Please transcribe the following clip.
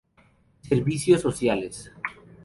Servicios Sociales.